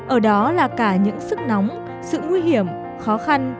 ở đó là cả những sức nóng sự nguy hiểm khó khăn